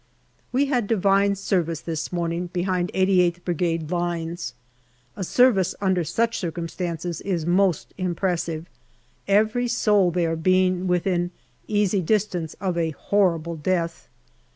We had divine service this morning behind 88th Brigade lines. A service under such circumstances is most im pressive, every soul there being within easy distance of a horrible death.